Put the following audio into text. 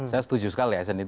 saya setuju sekali asn itu